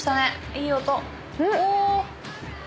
いい音。